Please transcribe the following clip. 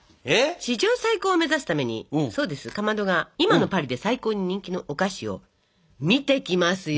史上最高を目指すためにそうですかまどが今のパリで最高に人気のお菓子を見てきますよ